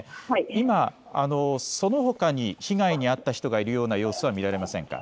そのほかに被害に遭った人がいるような様子は見られませんか。